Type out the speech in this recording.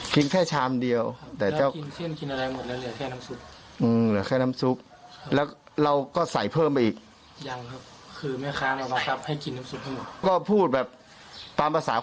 ขีนแท่ชามเดียวครับมมขีแค่ชามเดียว